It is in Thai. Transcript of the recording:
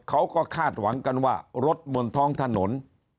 เขาก็คาดหวังกันว่ารถบนท้องถนน